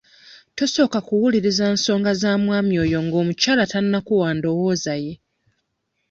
Tosooka kkuwuuliriza nsonga za mwami oyo ng'omukyala tannakuwa ndowooza ye.